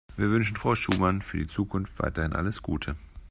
Wir wünschen Frau Schumann für die Zukunft weiterhin alles Gute.